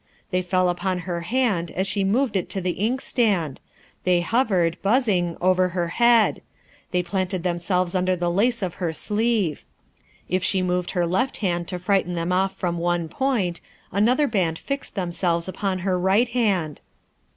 They fell upon her hand as she moved it to the inkstand; they hovered, buzzing, over her head; they planted themselves under the lace of her sleeve. If she moved her left hand to frighten them off from one point, another band fixed themselves upon her right hand.